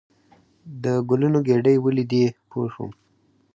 د ګلونو ګېدۍ ولیدې پوه شوم.